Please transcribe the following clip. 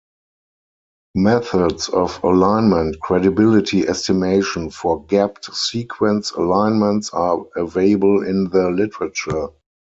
Methods of alignment credibility estimation for gapped sequence alignments are available in the literature.